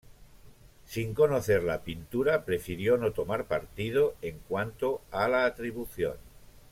Sin conocer la pintura, prefirió no tomar partido en cuanto a la atribución.